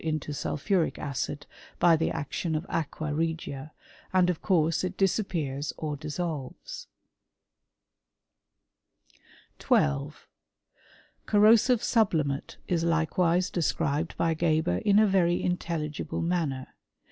into sulphuric acid by the action of aqua regia,' and "Tf course it disappears or dissolves. 3 l2. Corrosive sublimate is likewise described I Geber in a very intelligible manner.